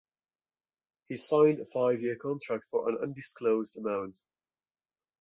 He signed a five-year contract for an undisclosed amount.